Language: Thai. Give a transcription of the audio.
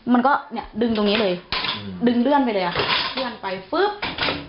มันก็เนี้ยดึงตรงนี้เลยดึงเลื่อนไปเลยอะ